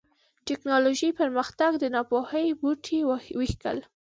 د ټيکنالوژۍ پرمختګ د ناپوهۍ بوټی وکېښ.